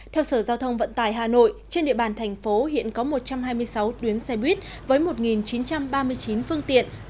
theo sở giao thông vận tải hà nội trên địa bàn thành phố hiện có một trăm hai mươi sáu tuyến xe buýt với một chín trăm ba mươi chín phương tiện